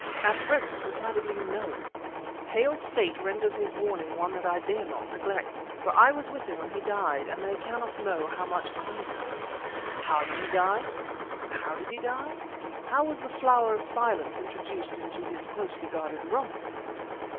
"At present, decidedly no. Hale's fate renders his warning one that I dare not neglect. For I was with him when he died; and they cannot know how much I know. How did he die? How did he die? How was the Flower of Silence introduced into his closely guarded room?"